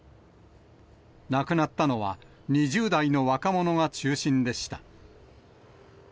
亡くなったのは、２０代の若者が中心でした。